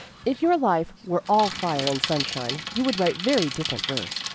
If your life were all fire and sunshine you would write very different verse.